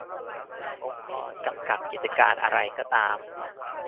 องค์กรกำกับกิจการอะไรก็ตาม